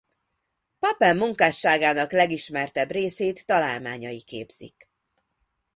Papin munkásságának legismertebb részét találmányai képzik.